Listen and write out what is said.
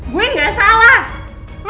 gue gak salahnya